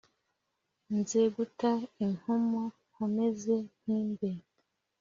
Nze guta impumu nkomeze mpimbe